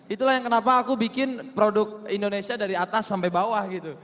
itulah yang kenapa aku bikin produk indonesia dari atas sampai bawah gitu